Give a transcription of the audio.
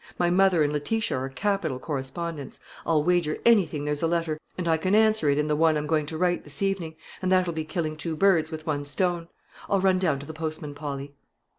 "My mother and Letitia are capital correspondents; I'll wager anything there's a letter, and I can answer it in the one I'm going to write this evening, and that'll be killing two birds with one stone. I'll run down to the postman, Polly."